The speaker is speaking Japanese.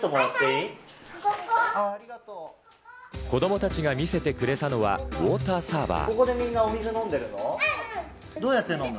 子供たちが見せてくれたのはウオーターサーバー。